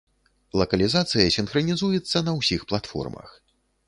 Лакалізацыя сінхранізуецца на ўсіх платформах.